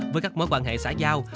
với các mối quan hệ xã giao